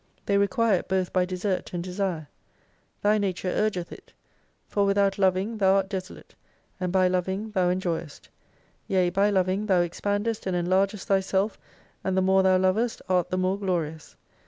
They require it both by desert and desire. Thy nature urgeth it. For without loving thou art desolate, and by loving thou enjoyest. Yea by loving thou expandest and enlargest thyself, and the more thou lovest art the more glorious.